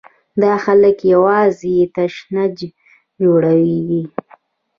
دا خلک یوازې تشنج جوړوي.